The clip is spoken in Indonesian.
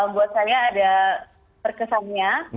buat saya ada perkesannya